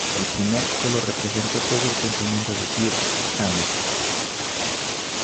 El primer solo representa todo el sentimiento de Kirk Hammett.